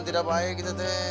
tidak baik gitu teh